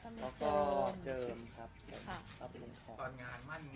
ตอนงานมั่นที่ดอกแขกผู้ใหญ่จะหักคุณไงบ้าง